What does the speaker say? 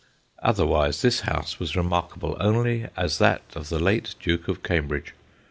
' Otherwise this house was remarkable only as that of the late Duke of Cambridge.